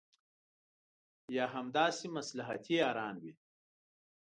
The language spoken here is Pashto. یا همداسې مصلحتي یاران وي.